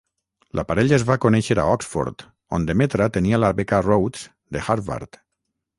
La parella es va conèixer a Oxford, on Demetra tenia la beca Rhodes, de Harvard.